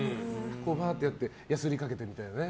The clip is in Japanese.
ばーっとやってやすりかけてみたいな。